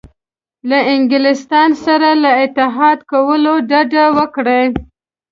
له انګلستان سره له اتحاد کولو ډډه وکړي.